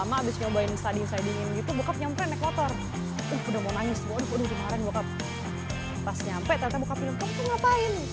pas nyampe ternyata bokap bilang kamu tuh ngapain